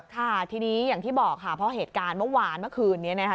ค่ะทีนี้อย่างที่บอกค่ะเพราะเหตุการณ์เมื่อวานเมื่อคืนนี้นะคะ